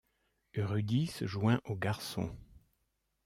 Rudi se joint aux garçons.